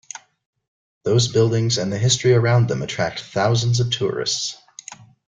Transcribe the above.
Those buildings and the history around them attract thousands of tourists.